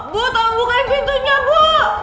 bu tolong bukain pintunya bu